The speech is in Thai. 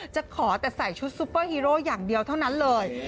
จะขอแต่ใส่ชุดซุปเปอร์ฮีโร่อย่างเดียวเท่านั้นเลย